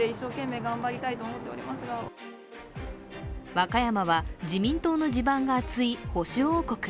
和歌山は自民党の地盤が厚い保守王国。